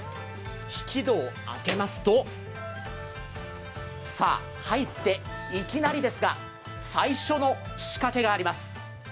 引き戸を開けますと、入っていきなりですが最初の仕掛けがあります！